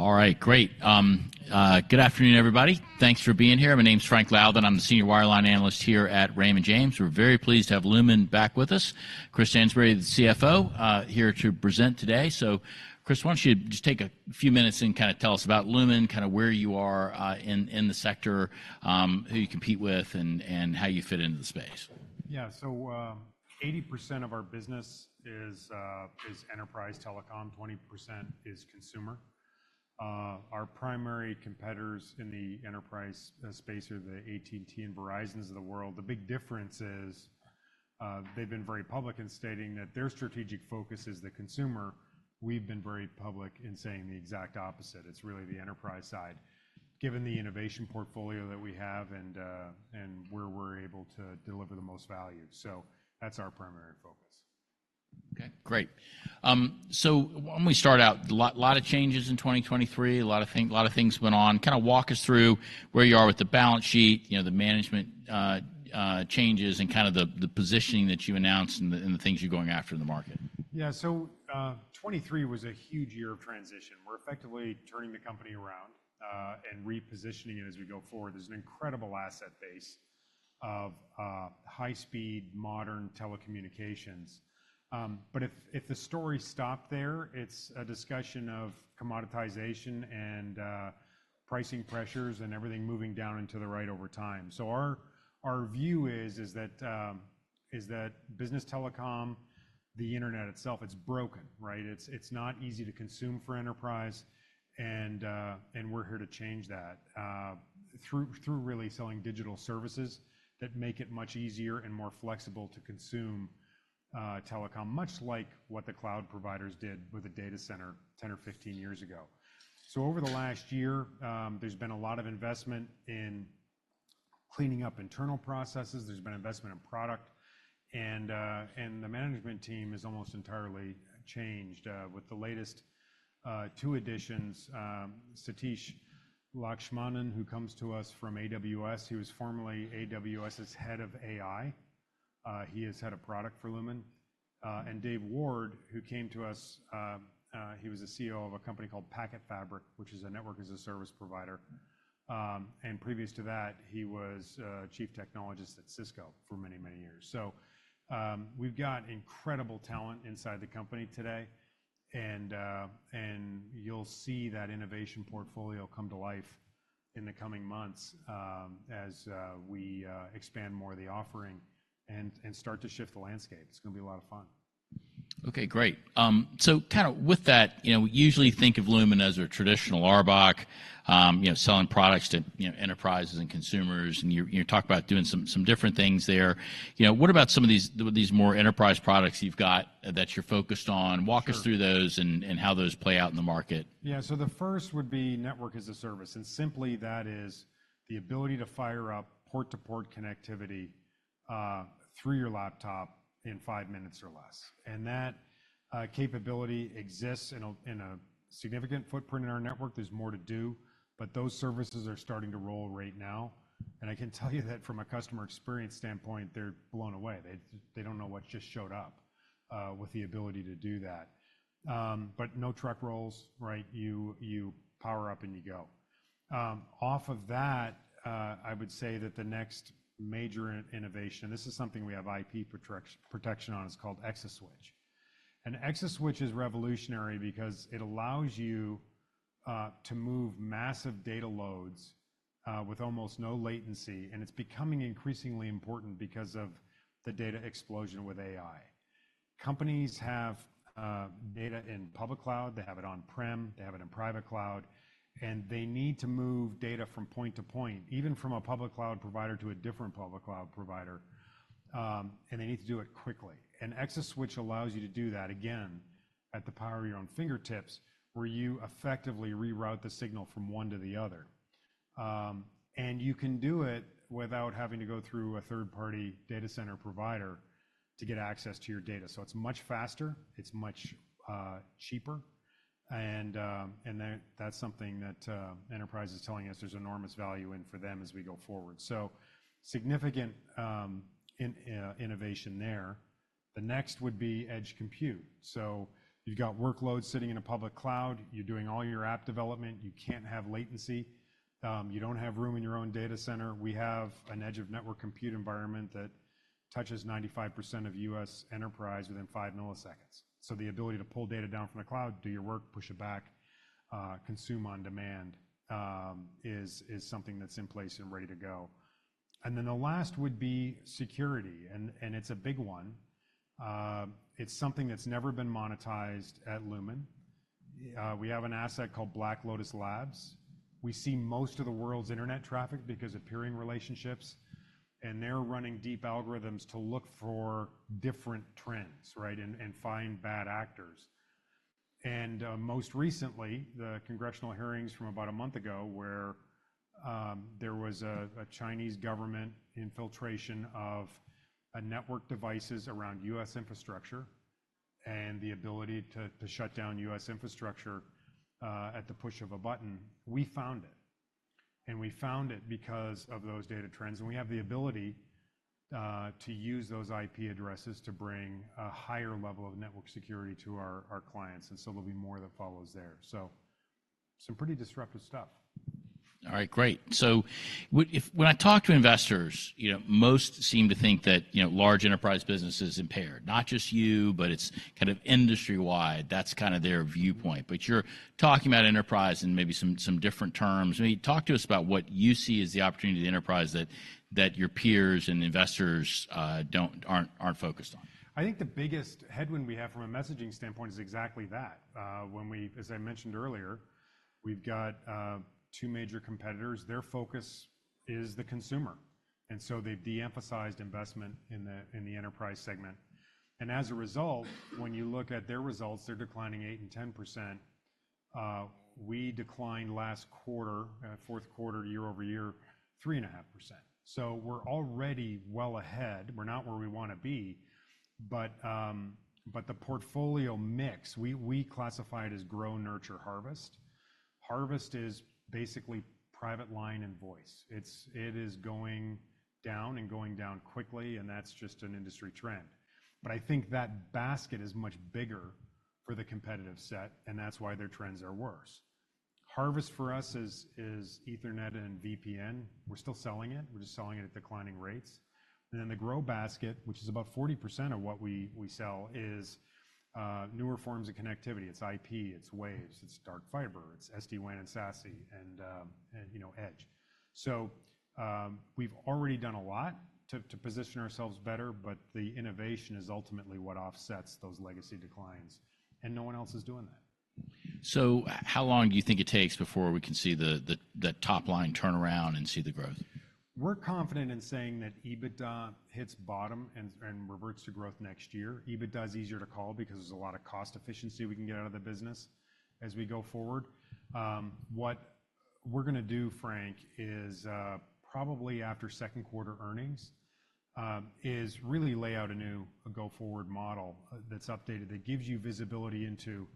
All right, great. Good afternoon, everybody. Thanks for being here. My name's Frank Louthan, I'm the Senior Wireline Analyst here at Raymond James. We're very pleased to have Lumen back with us. Chris Stansbury, the CFO, here to present today. So, Chris, why don't you just take a few minutes and kind of tell us about Lumen, kind of where you are in the sector, who you compete with, and how you fit into the space. Yeah, so, 80% of our business is, is enterprise telecom, 20% is consumer. Our primary competitors in the enterprise space are the AT&T and Verizons of the world. The big difference is, they've been very public in stating that their strategic focus is the consumer. We've been very public in saying the exact opposite. It's really the enterprise side, given the innovation portfolio that we have and, and where we're able to deliver the most value. So that's our primary focus. Okay, great. So why don't we start out? Lots of changes in 2023, a lot of things went on. Kind of walk us through where you are with the balance sheet, you know, the management changes, and kind of the positioning that you announced and the things you're going after in the market. Yeah, so, 2023 was a huge year of transition. We're effectively turning the company around, and repositioning it as we go forward. There's an incredible asset base of high-speed, modern telecommunications. But if the story stopped there, it's a discussion of commoditization and pricing pressures and everything moving down into the right over time. So our view is that business telecom, the internet itself, it's broken, right? It's not easy to consume for enterprise. And we're here to change that, through really selling digital services that make it much easier and more flexible to consume telecom, much like what the cloud providers did with a data center 10 or 15 years ago. So over the last year, there's been a lot of investment in cleaning up internal processes. There's been investment in product. And the management team is almost entirely changed, with the latest 2 additions. Satish Lakshmanan, who comes to us from AWS. He was formerly AWS's head of AI. He has had a product for Lumen. And Dave Ward, who came to us. He was the CEO of a company called PacketFabric, which is a network as a service provider. And previous to that, he was chief technologist at Cisco for many, many years. So, we've got incredible talent inside the company today. And you'll see that innovation portfolio come to life in the coming months, as we expand more of the offering and start to shift the landscape. It's going to be a lot of fun. Okay, great. So kind of with that, you know, we usually think of Lumen as a traditional RBOC, you know, selling products to, you know, enterprises and consumers. And you're, you're talking about doing some, some different things there. You know, what about some of these, the these more enterprise products you've got that you're focused on? Walk us through those and, and how those play out in the market? Yeah, so the first would be network as a service. And simply, that is the ability to fire up port-to-port connectivity, through your laptop in five minutes or less. And that capability exists in a significant footprint in our network. There's more to do. But those services are starting to roll right now. And I can tell you that from a customer experience standpoint, they're blown away. They don't know what just showed up with the ability to do that. But no truck rolls, right? You power up and you go. Off of that, I would say that the next major innovation. This is something we have IP protection on. It's called ExaSwitch. And ExaSwitch is revolutionary because it allows you to move massive data loads with almost no latency. And it's becoming increasingly important because of the data explosion with AI. Companies have data in public cloud. They have it on-prem. They have it in private cloud. And they need to move data from point to point, even from a public cloud provider to a different public cloud provider. And they need to do it quickly. And ExaSwitch allows you to do that, again, at the power of your own fingertips, where you effectively reroute the signal from one to the other. And you can do it without having to go through a third-party data center provider to get access to your data. So it's much faster. It's much cheaper. And, and that, that's something that, enterprise is telling us there's enormous value in for them as we go forward. So significant innovation there. The next would be Edge compute. So you've got workloads sitting in a public cloud. You're doing all your app development. You can't have latency. You don't have room in your own data center. We have an edge compute environment that touches 95% of U.S. enterprise within 5 milliseconds. So the ability to pull data down from the cloud, do your work, push it back, consume on demand, is, is something that's in place and ready to go. And then the last would be security. And, and it's a big one. It's something that's never been monetized at Lumen. We have an asset called Black Lotus Labs. We see most of the world's internet traffic because of peering relationships. And they're running deep algorithms to look for different trends, right, and, and find bad actors. Most recently, the congressional hearings from about a month ago where there was a Chinese government infiltration of network devices around U.S. infrastructure and the ability to shut down U.S. infrastructure at the push of a button, we found it. We found it because of those data trends. We have the ability to use those IP addresses to bring a higher level of network security to our clients. So there'll be more that follows there. Some pretty disruptive stuff. All right, great. So what if when I talk to investors, you know, most seem to think that, you know, large enterprise business is impaired, not just you, but it's kind of industry-wide. That's kind of their viewpoint. But you're talking about enterprise in maybe some different terms. I mean, talk to us about what you see as the opportunity to enterprise that your peers and investors aren't focused on. I think the biggest headwind we have from a messaging standpoint is exactly that. When we, as I mentioned earlier, we've got two major competitors. Their focus is the consumer. And so they've de-emphasized investment in the enterprise segment. And as a result, when you look at their results, they're declining 8% and 10%. We declined last quarter, fourth quarter, year-over-year, 3.5%. So we're already well ahead. We're not where we want to be. But the portfolio mix, we classify it as grow, nurture, harvest. Harvest is basically private line, voice. It is going down and going down quickly. And that's just an industry trend. But I think that basket is much bigger for the competitive set. And that's why their trends are worse. Harvest for us is Ethernet and VPN. We're still selling it. We're just selling it at declining rates. And then the grow basket, which is about 40% of what we sell, is newer forms of connectivity. It's IP. It's Waves. It's dark fiber. It's SD-WAN and SASE and, you know, edge. So, we've already done a lot to position ourselves better. But the innovation is ultimately what offsets those legacy declines. And no one else is doing that. How long do you think it takes before we can see the top line turn around and see the growth? We're confident in saying that EBITDA hits bottom and, and reverts to growth next year. EBITDA is easier to call because there's a lot of cost efficiency we can get out of the business as we go forward. What we're going to do, Frank, is, probably after second quarter earnings, is really lay out a new, a go-forward model that's updated that gives you visibility into,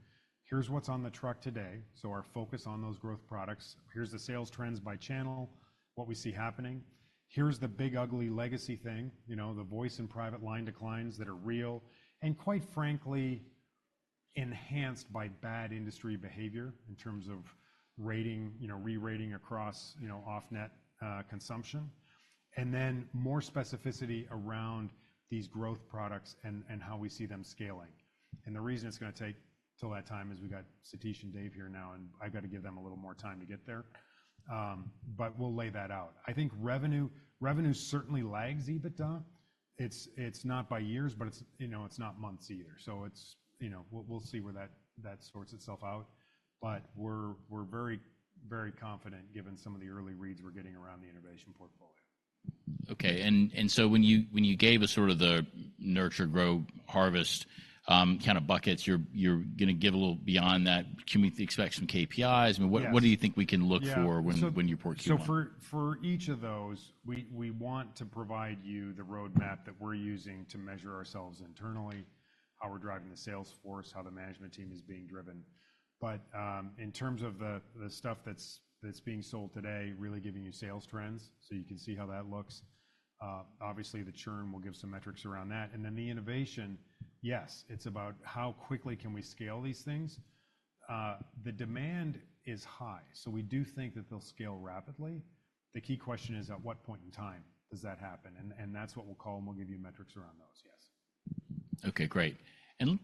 here's what's on the truck today. So our focus on those growth products. Here's the sales trends by channel, what we see happening. Here's the big, ugly legacy thing, you know, the voice and private line declines that are real and quite frankly enhanced by bad industry behavior in terms of rating, you know, rerating across, you know, off-net, consumption. And then more specificity around these growth products and, and how we see them scaling. The reason it's going to take till that time is we've got Satish and Dave here now. And I've got to give them a little more time to get there, but we'll lay that out. I think revenue, revenue certainly lags EBITDA. It's, it's not by years. But it's, you know, it's not months either. So it's, you know, we'll see where that, that sorts itself out. But we're, we're very, very confident given some of the early reads we're getting around the innovation portfolio. Okay. And so when you gave us sort of the nurture, grow, harvest, kind of buckets, you're going to give a little beyond that. Can we expect some KPIs? I mean, what do you think we can look for when you're portfolioing? Yeah. So for, for each of those, we, we want to provide you the roadmap that we're using to measure ourselves internally, how we're driving the sales force, how the management team is being driven. But, in terms of the, the stuff that's, that's being sold today, really giving you sales trends so you can see how that looks, obviously, the churn will give some metrics around that. And then the innovation, yes, it's about how quickly can we scale these things. The demand is high. So we do think that they'll scale rapidly. The key question is, at what point in time does that happen? And, and that's what we'll call and we'll give you metrics around those. Yes. Okay, great. And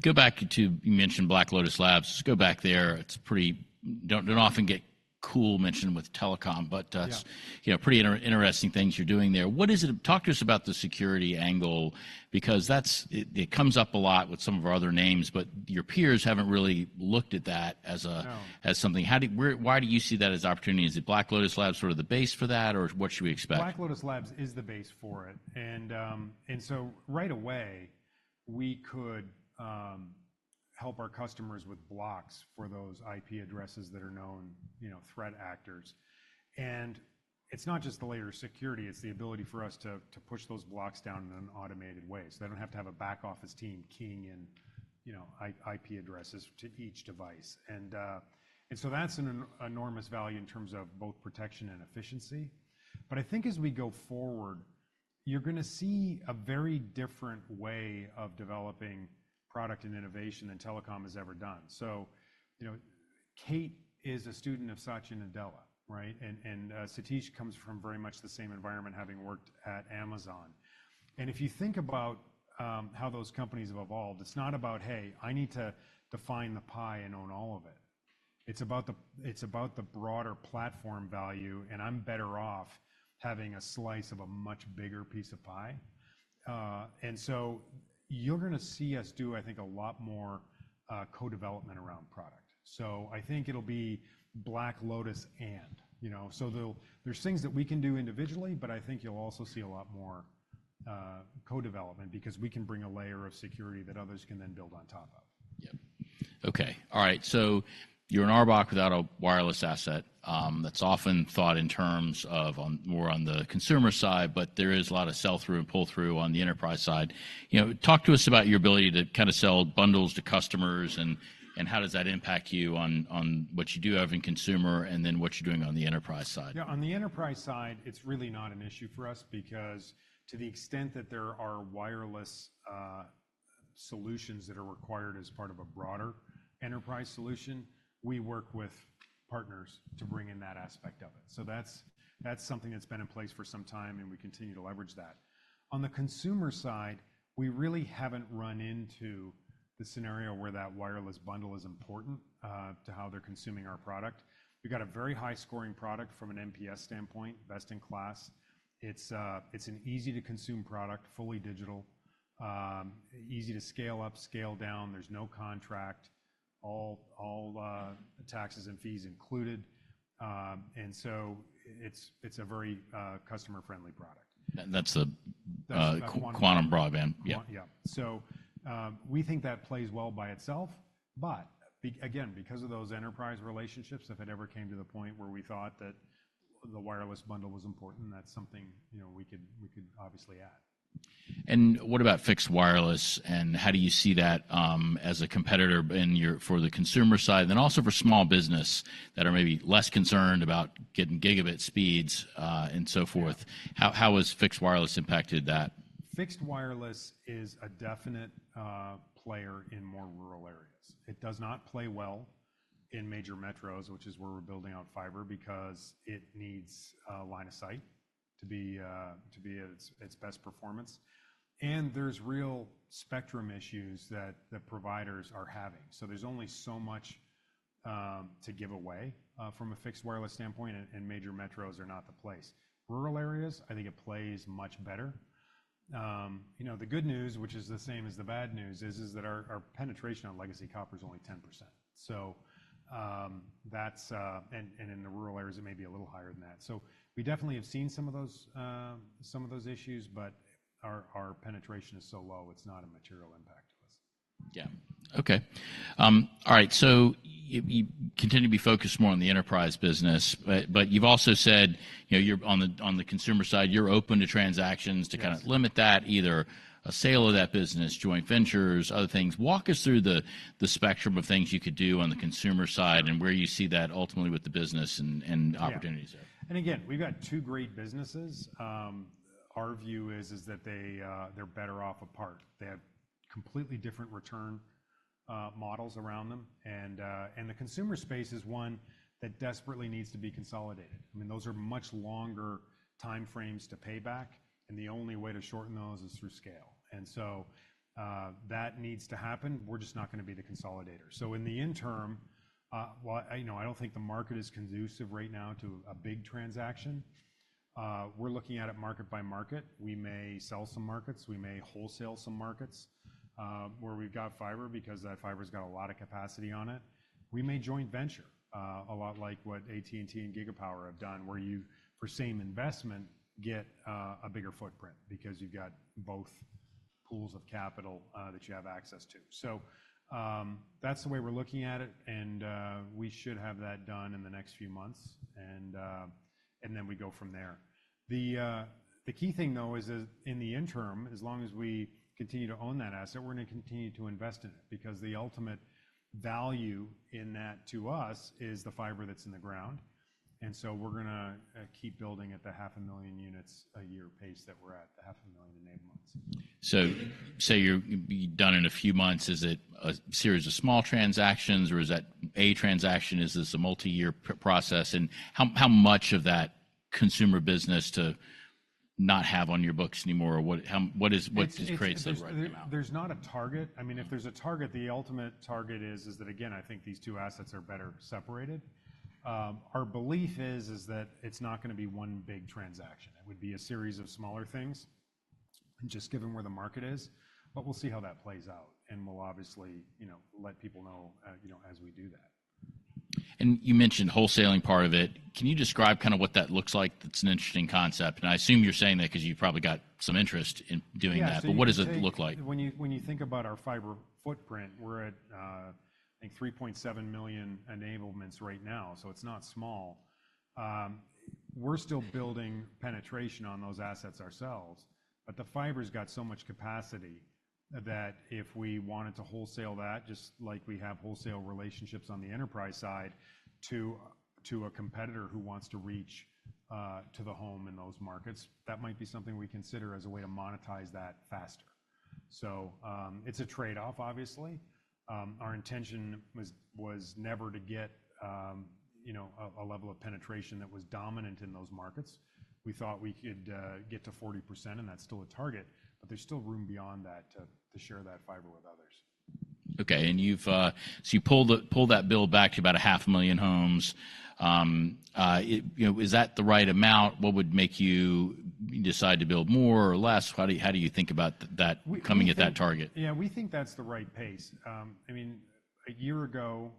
go back to you mentioned Black Lotus Labs. Let's go back there. It's pretty cool. Don't often get cool mentioned with telecom. But that's, you know, pretty interesting things you're doing there. What is it? Talk to us about the security angle because that's, it comes up a lot with some of our other names. But your peers haven't really looked at that as a something. How, where, why do you see that as opportunity? Is it Black Lotus Labs sort of the base for that? Or what should we expect? Black Lotus Labs is the base for it. And, and so right away, we could help our customers with blocks for those IP addresses that are known, you know, threat actors. And it's not just the layer of security. It's the ability for us to, to push those blocks down in an automated way so they don't have to have a back office team keying in, you know, IP addresses to each device. And, and so that's an enormous value in terms of both protection and efficiency. But I think as we go forward, you're going to see a very different way of developing product and innovation than telecom has ever done. So, you know, Kate is a student of Satya Nadella, right? And, and, Satish comes from very much the same environment, having worked at Amazon. And if you think about how those companies have evolved, it's not about, "Hey, I need to define the pie and own all of it." It's about the—it's about the broader platform value. And I'm better off having a slice of a much bigger piece of pie. And so you're going to see us do, I think, a lot more co-development around product. So I think it'll be Black Lotus and, you know, so there'll be things that we can do individually. But I think you'll also see a lot more co-development because we can bring a layer of security that others can then build on top of. Yep. Okay. All right. So you're an RBOC without a wireless asset. That's often thought in terms of on more on the consumer side. But there is a lot of sell-through and pull-through on the enterprise side. You know, talk to us about your ability to kind of sell bundles to customers. And, and how does that impact you on, on what you do have in consumer and then what you're doing on the enterprise side? Yeah. On the enterprise side, it's really not an issue for us because to the extent that there are wireless solutions that are required as part of a broader enterprise solution, we work with partners to bring in that aspect of it. So that's, that's something that's been in place for some time. And we continue to leverage that. On the consumer side, we really haven't run into the scenario where that wireless bundle is important to how they're consuming our product. We've got a very high-scoring product from an NPS standpoint, best in class. It's, it's an easy-to-consume product, fully digital, easy to scale up, scale down. There's no contract, all, all, taxes and fees included. And so it's, it's a very customer-friendly product. That's the Quantum broadband. Yeah. Yeah. So, we think that plays well by itself. But again, because of those enterprise relationships, if it ever came to the point where we thought that the wireless bundle was important, that's something, you know, we could obviously add. What about fixed wireless? And how do you see that, as a competitor in your for the consumer side and then also for small business that are maybe less concerned about getting gigabit speeds, and so forth? How has fixed wireless impacted that? Fixed wireless is a definite player in more rural areas. It does not play well in major metros, which is where we're building out fiber because it needs a line of sight to be at its best performance. There's real spectrum issues that the providers are having. So there's only so much to give away from a fixed wireless standpoint. Major metros are not the place. Rural areas, I think it plays much better. You know, the good news, which is the same as the bad news, is that our penetration on legacy copper is only 10%. So in the rural areas, it may be a little higher than that. We definitely have seen some of those issues. But our penetration is so low, it's not a material impact to us. Yeah. Okay. All right. So you continue to be focused more on the enterprise business. But, but you've also said, you know, you're on the consumer side, you're open to transactions to kind of limit that, either a sale of that business, joint ventures, other things. Walk us through the spectrum of things you could do on the consumer side and where you see that ultimately with the business and, and opportunities there. Yeah. And again, we've got two great businesses. Our view is that they, they're better off apart. They have completely different return models around them. And the consumer space is one that desperately needs to be consolidated. I mean, those are much longer time frames to pay back. And the only way to shorten those is through scale. And so, that needs to happen. We're just not going to be the consolidator. So in the interim, well, I, you know, I don't think the market is conducive right now to a big transaction. We're looking at it market by market. We may sell some markets. We may wholesale some markets, where we've got fiber because that fiber's got a lot of capacity on it. We may joint venture a lot like what AT&T and Gigapower have done, where you, for same investment, get a bigger footprint because you've got both pools of capital that you have access to. So that's the way we're looking at it. And we should have that done in the next few months. And then we go from there. The key thing, though, is in the interim, as long as we continue to own that asset, we're going to continue to invest in it because the ultimate value in that to us is the fiber that's in the ground. And so we're going to keep building at the 500,000 units a year pace that we're at, the 500,000 enablements. So, you're going to be done in a few months. Is it a series of small transactions? Or is that a transaction? Is this a multi-year process? And how much of that consumer business to not have on your books anymore? What is what creates the right amount? There's not a target. I mean, if there's a target, the ultimate target is that, again, I think these two assets are better separated. Our belief is that it's not going to be one big transaction. It would be a series of smaller things, just given where the market is. But we'll see how that plays out. And we'll obviously, you know, let people know, you know, as we do that. You mentioned wholesaling part of it. Can you describe kind of what that looks like? That's an interesting concept. I assume you're saying that because you've probably got some interest in doing that. What does it look like? Yeah. When you think about our fiber footprint, we're at, I think, 3.7 million enablements right now. So it's not small. We're still building penetration on those assets ourselves. But the fiber's got so much capacity that if we wanted to wholesale that, just like we have wholesale relationships on the enterprise side, to a competitor who wants to reach to the home in those markets, that might be something we consider as a way to monetize that faster. So, it's a trade-off, obviously. Our intention was never to get, you know, a level of penetration that was dominant in those markets. We thought we could get to 40%. And that's still a target. But there's still room beyond that to share that fiber with others. Okay. And you've so you pulled that build back to about 500,000 homes. It, you know, is that the right amount? What would make you decide to build more or less? How do you think about that coming at that target? Yeah. We think that's the right pace. I mean, a year ago,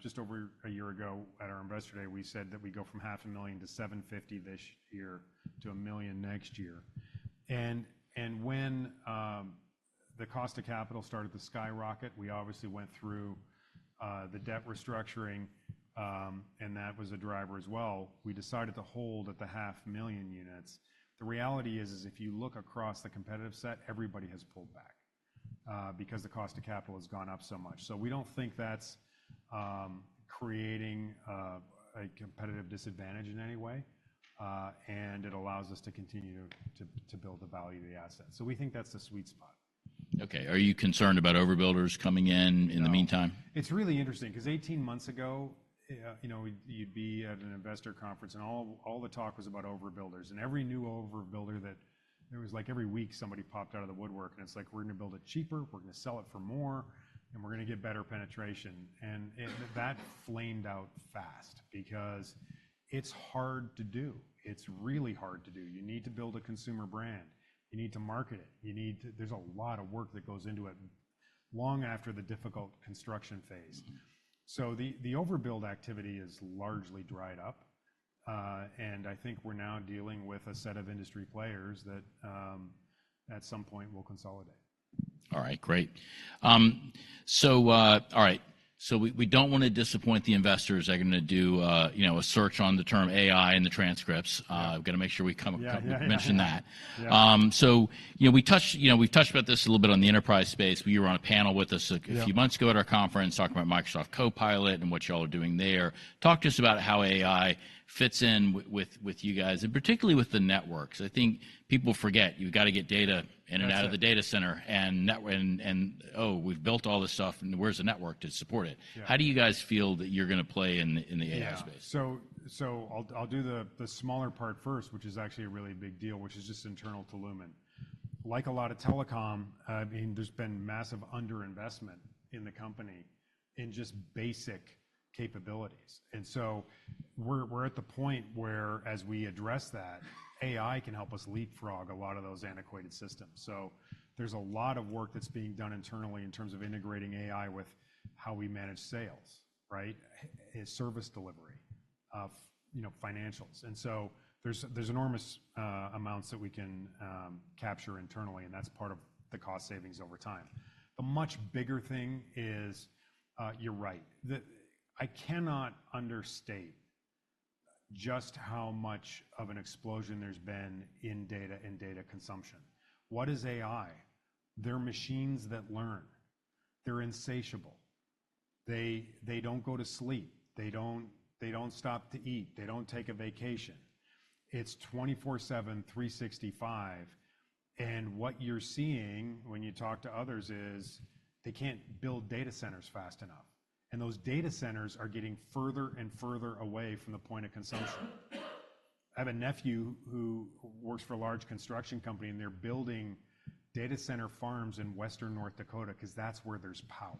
just over a year ago at our investor day, we said that we'd go from 500,000 to 750,000 this year to 1 million next year. And when the cost of capital started to skyrocket, we obviously went through the debt restructuring. That was a driver as well. We decided to hold at the 500,000 units. The reality is if you look across the competitive set, everybody has pulled back, because the cost of capital has gone up so much. So we don't think that's creating a competitive disadvantage in any way. It allows us to continue to build the value of the asset. So we think that's the sweet spot. Okay. Are you concerned about overbuilders coming in in the meantime? No. It's really interesting because 18 months ago, you know, you'd be at an investor conference. And all, all the talk was about overbuilders. And every new overbuilder that there was, like, every week, somebody popped out of the woodwork. And it's like, "We're going to build it cheaper. We're going to sell it for more. And we're going to get better penetration." And that flamed out fast because it's hard to do. It's really hard to do. You need to build a consumer brand. You need to market it. You need to, there's a lot of work that goes into it long after the difficult construction phase. So the overbuild activity is largely dried up. And I think we're now dealing with a set of industry players that, at some point, will consolidate. All right. Great. So, all right. So we don't want to disappoint the investors. They're going to do, you know, a search on the term AI in the transcripts. We've got to make sure we come across mention that. So, you know, we touched, you know, we've touched about this a little bit on the enterprise space. But you were on a panel with us a few months ago at our conference talking about Microsoft Copilot and what y'all are doing there. Talk to us about how AI fits in with, with, with you guys and particularly with the networks. I think people forget, you've got to get data in and out of the data center. And net and, and, oh, we've built all this stuff. And where's the network to support it? How do you guys feel that you're going to play in the in the AI space? Yeah. So I'll do the smaller part first, which is actually a really big deal, which is just internal to Lumen. Like a lot of telecom, I mean, there's been massive underinvestment in the company in just basic capabilities. So we're at the point where, as we address that, AI can help us leapfrog a lot of those antiquated systems. So there's a lot of work that's being done internally in terms of integrating AI with how we manage sales, right, is service delivery of, you know, financials. So there's enormous amounts that we can capture internally. And that's part of the cost savings over time. The much bigger thing is, you're right, that I cannot understate just how much of an explosion there's been in data and data consumption. What is AI? They're machines that learn. They're insatiable. They don't go to sleep. They don't stop to eat. They don't take a vacation. It's 24/7, 365. And what you're seeing when you talk to others is, they can't build data centers fast enough. And those data centers are getting further and further away from the point of consumption. I have a nephew who works for a large construction company. And they're building data center farms in western North Dakota because that's where there's power.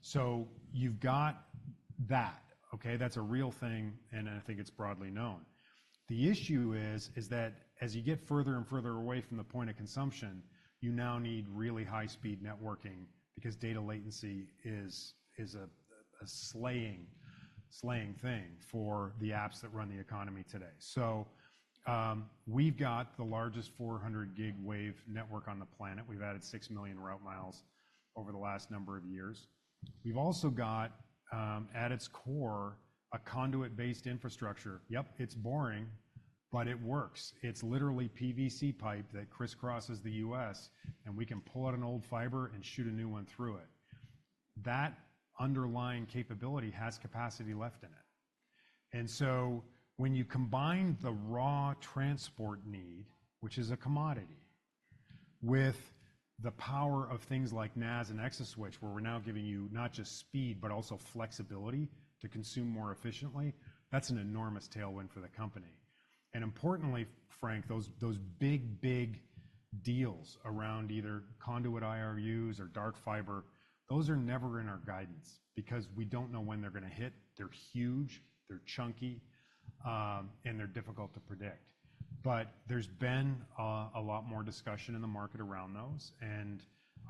So you've got that, okay? That's a real thing. And I think it's broadly known. The issue is that as you get further and further away from the point of consumption, you now need really high-speed networking because data latency is a slaying thing for the apps that run the economy today. So, we've got the largest 400-gig wave network on the planet. We've added 6 million route miles over the last number of years. We've also got, at its core, a conduit-based infrastructure. Yep. It's boring. But it works. It's literally PVC pipe that crisscrosses the U.S. And we can pull out an old fiber and shoot a new one through it. That underlying capability has capacity left in it. And so when you combine the raw transport need, which is a commodity, with the power of things like NaaS and ExaSwitch, where we're now giving you not just speed but also flexibility to consume more efficiently, that's an enormous tailwind for the company. And importantly, Frank, those, those big, big deals around either conduit IRUs or dark fiber, those are never in our guidance because we don't know when they're going to hit. They're huge. They're chunky, and they're difficult to predict. But there's been a lot more discussion in the market around those. And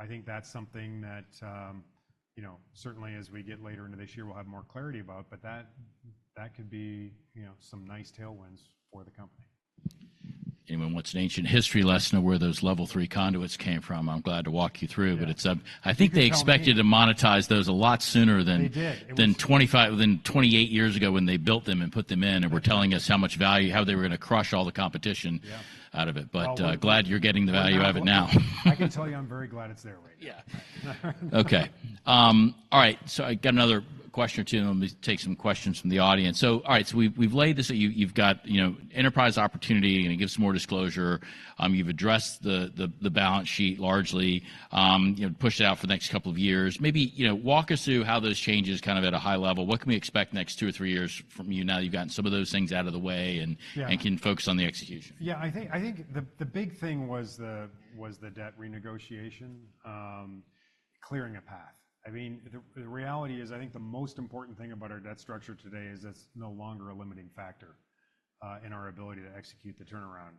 I think that's something that, you know, certainly, as we get later into this year, we'll have more clarity about. But that could be, you know, some nice tailwinds for the company. What's an ancient history lesson of where those Level 3 conduits came from? I'm glad to walk you through. But it's, I think they expected to monetize those a lot sooner than 25-28 years ago when they built them and put them in and were telling us how much value, how they were going to crush all the competition out of it. Glad you're getting the value out of it now. I can tell you, I'm very glad it's there already. Yeah. Okay. All right. So I got another question or two. And let me take some questions from the audience. So all right. So we've laid this out. You've got, you know, enterprise opportunity. You're going to give us more disclosure. You've addressed the balance sheet largely, you know, pushed it out for the next couple of years. Maybe, you know, walk us through how those changes kind of at a high level, what can we expect next two or three years from you now that you've gotten some of those things out of the way and can focus on the execution? Yeah. I think the big thing was the debt renegotiation, clearing a path. I mean, the reality is, I think the most important thing about our debt structure today is that's no longer a limiting factor in our ability to execute the turnaround.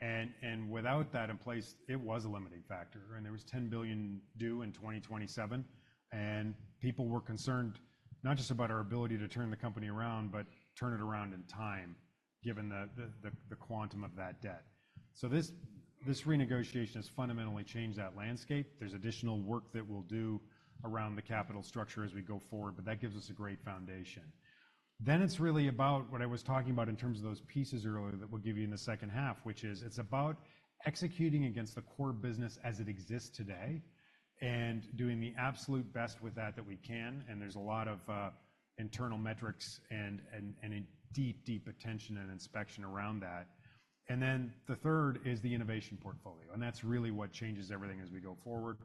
And without that in place, it was a limiting factor. And there was $10 billion due in 2027. And people were concerned not just about our ability to turn the company around but turn it around in time, given the quantum of that debt. So this renegotiation has fundamentally changed that landscape. There's additional work that we'll do around the capital structure as we go forward. But that gives us a great foundation. Then it's really about what I was talking about in terms of those pieces earlier that we'll give you in the second half, which is it's about executing against the core business as it exists today and doing the absolute best with that that we can. And there's a lot of internal metrics and a deep attention and inspection around that. And then the third is the innovation portfolio. And that's really what changes everything as we go forward.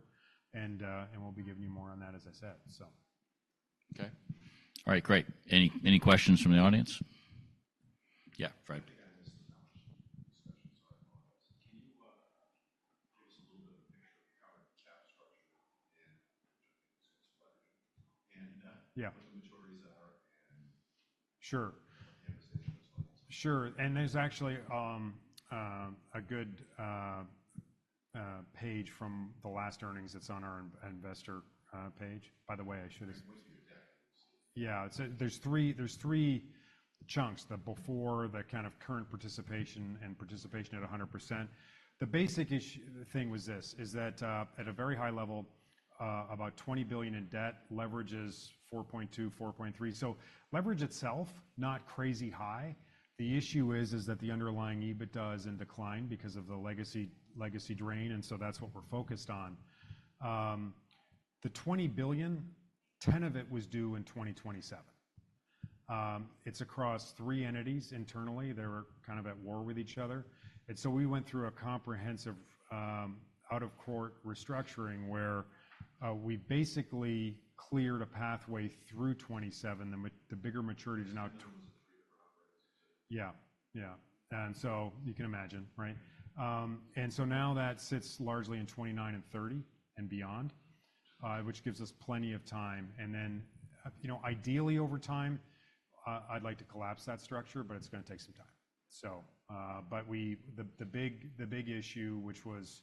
And we'll be giving you more on that, as I said, so. Okay. All right. Great. Any questions from the audience? Yeah, Fred. Can you give us a little bit of a picture of how the cap structure and which I think is what's leveraging and what the maturities are and? Sure. What the amortization looks like. Sure. And there's actually a good page from the last earnings that's on our investor page. By the way, I should have. What's your debt? Yeah. It's a, there's three chunks: the before, the kind of current participation, and participation at 100%. The basic issue thing was this, is that, at a very high level, about $20 billion in debt leverages 4.2-4.3. So leverage itself, not crazy high. The issue is that the underlying EBITDA is in decline because of the legacy drain. And so that's what we're focused on. The $20 billion, $10 billion of it was due in 2027. It's across three entities internally. They were kind of at war with each other. And so we went through a comprehensive, out-of-court restructuring where we basically cleared a pathway through 2027. The bigger maturity is now. That was a three-year drop, right? Yeah. Yeah. And so you can imagine, right? And so now, that sits largely in 2029 and 2030 and beyond, which gives us plenty of time. And then, you know, ideally, over time, I'd like to collapse that structure. But it's going to take some time, so. But the big issue, which was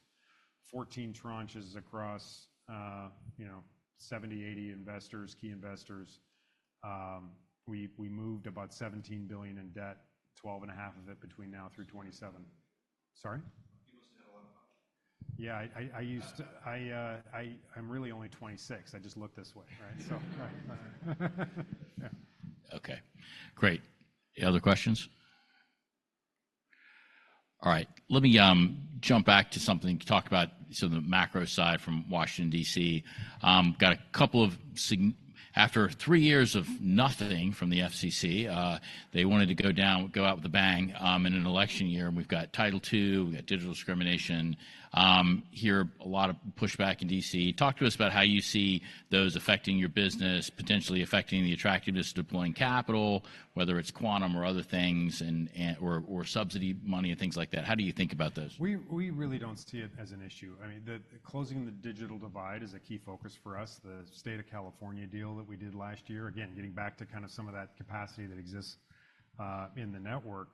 14 tranches across, you know, 70-80 investors, key investors, we moved about $17 billion in debt, 12.5 of it between now through 2027. Sorry? You must have had a lot of fun. Yeah. I used to. I'm really only 26. I just look this way, right? So, yeah. Okay. Great. Any other questions? All right. Let me jump back to something to talk about. So the macro side from Washington, D.C. Got a couple of signs after three years of nothing from the FCC. They wanted to go out with a bang, in an election year. And we've got Title II. We've got digital discrimination. Hear a lot of pushback in D.C. Talk to us about how you see those affecting your business, potentially affecting the attractiveness of deploying capital, whether it's quantum or other things and or subsidy money and things like that. How do you think about those? We really don't see it as an issue. I mean, closing the digital divide is a key focus for us. The State of California deal that we did last year, again, getting back to kind of some of that capacity that exists in the network,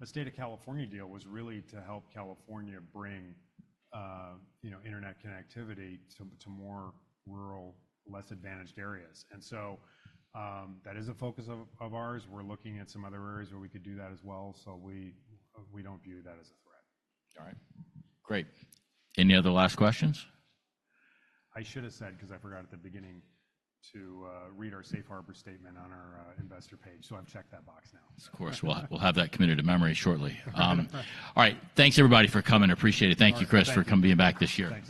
the State of California deal was really to help California bring, you know, internet connectivity to more rural, less advantaged areas. And so, that is a focus of ours. We're looking at some other areas where we could do that as well. So we don't view that as a threat. All right. Great. Any other last questions? I should have said, because I forgot at the beginning to read our Safe Harbor statement on our investor page. So I've checked that box now. Of course. We'll, we'll have that committed to memory shortly. All right. Thanks, everybody, for coming. Appreciate it. Thank you, Chris, for coming back this year. Thanks.